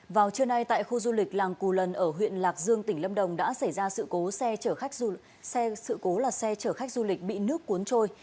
vào trưa nay tại khu du lịch làng cù lần ở huyện lạc dương tỉnh lâm đồng đã xảy ra sự cố xe chở khách du lịch bị nước cuốn trôi